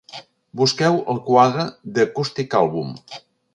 Busqueu el quadre The Acoustic Album.